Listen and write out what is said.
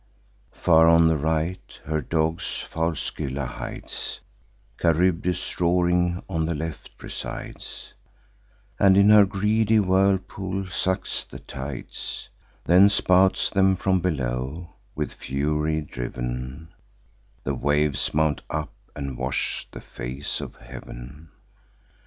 Far on the right, her dogs foul Scylla hides: Charybdis roaring on the left presides, And in her greedy whirlpool sucks the tides; Then spouts them from below: with fury driv'n, The waves mount up and wash the face of heav'n.